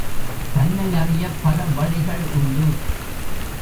தன்னை அறியப் பல வழிகள் உண்டு.